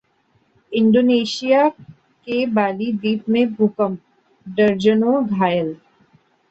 Indonesia के Bali द्वीप में भूकंप, दर्जनों घायल